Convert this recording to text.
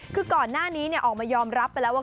คือก่อนหน้านี้ออกมายอมรับไปแล้วว่า